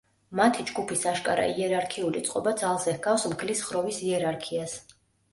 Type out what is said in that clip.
მათი ჯგუფის აშკარა იერარქიული წყობა ძალზე ჰგავს მგლის ხროვის იერარქიას.